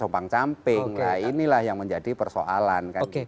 nah inilah yang menjadi persoalan